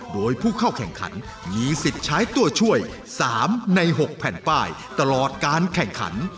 โดยผู้เข้าแข่งขันมีสิทธิ์ใช้ตัวช่วย๓ใน๖แผ่นป้ายตลอดการแข่งขัน